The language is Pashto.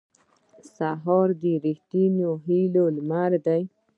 سهار د رښتینې هیلې لمر دی.